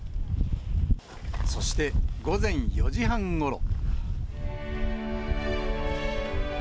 そして、午前４時半ごろ。